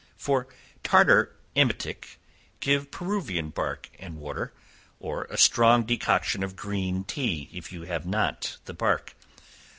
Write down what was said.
For "tartar emetic," give Peruvian bark and water, (or a strong decoction of green tea, if you have not the bark.)